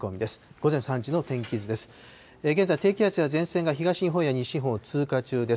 午前３時の天気図です。